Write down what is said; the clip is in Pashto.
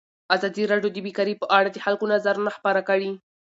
ازادي راډیو د بیکاري په اړه د خلکو نظرونه خپاره کړي.